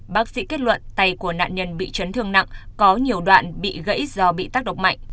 bác sĩ kết luận tay của nạn nhân bị chấn thương nặng có nhiều đoạn bị gãy do bị tác động mạnh